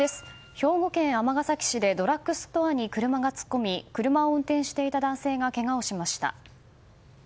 兵庫県尼崎市でドラッグストアに車が突っ込み車を運転していた男性がけがをしました。